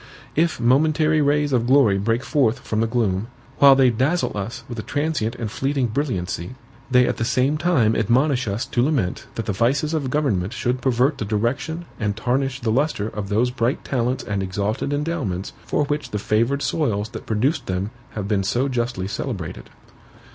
If momentary rays of glory break forth from the gloom, while they dazzle us with a transient and fleeting brilliancy, they at the same time admonish us to lament that the vices of government should pervert the direction and tarnish the lustre of those bright talents and exalted endowments for which the favored soils that produced them have been so justly celebrated.